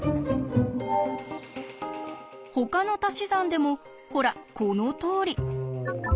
ほかのたし算でもほらこのとおり。